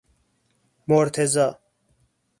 مرتضی